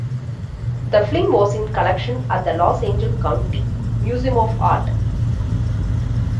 The film was in collection at the Los Angeles County Museum of Art.